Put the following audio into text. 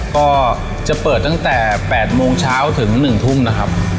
ก็จะเปิดตั้งแต่๘โมงเช้าถึง๑ทุ่มนะครับ